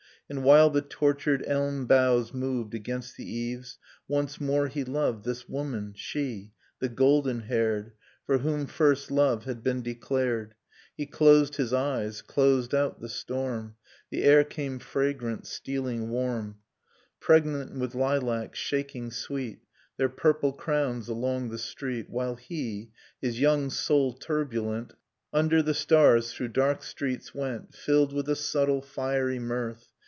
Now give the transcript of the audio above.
And while the tortured elm boughs moved Against the eaves, once more he loved This woman, she, the golden haired, For whom first love had been declared. He closed his eyes, closed out the storm. The air came fragrant, stealing warm: Pregnant with lilacs, shaking sweet Their purple crowns along the street; While he, his young soul turbulent, Under the stars through dark streets went. Filled with a subtle fiery mirth.